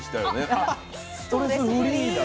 あストレスフリーだ。